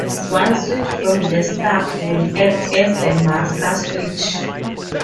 One switch from the stack will act as the master switch.